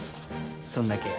そんだけや。